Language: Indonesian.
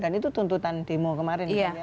dan itu tuntutan demo kemarin